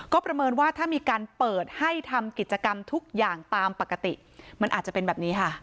ก็ประเมินว่าถ้ามีการเปิดให้ทำกิจกรรมทุกอย่างตามปกติมันอาจจะเป็นแบบนี้ค่ะ